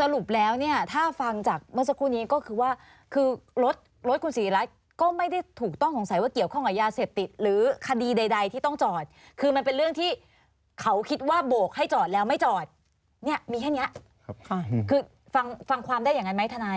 สรุปแล้วเนี่ยถ้าฟังจากเมื่อสักครู่นี้ก็คือว่าคือรถรถคุณศรีรัตน์ก็ไม่ได้ถูกต้องสงสัยว่าเกี่ยวข้องกับยาเสพติดหรือคดีใดที่ต้องจอดคือมันเป็นเรื่องที่เขาคิดว่าโบกให้จอดแล้วไม่จอดเนี่ยมีแค่นี้คือฟังฟังความได้อย่างนั้นไหมทนาย